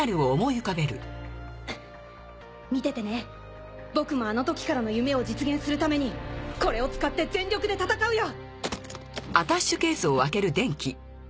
見ててね僕もあのときからの夢を実現するためにこれを使って全力で戦うよ！